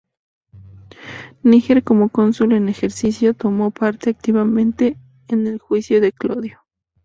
Níger, como cónsul en ejercicio tomó parte activamente en el juicio de Clodio.